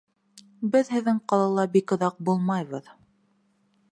Беҙ һеҙҙең ҡалала бик оҙаҡ булмайбыҙ.